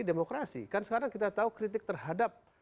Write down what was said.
demokrasi kan sekarang kita tahu kritik terhadap